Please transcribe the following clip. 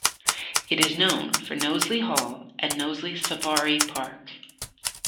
It is known for Knowsley Hall and Knowsley Safari Park.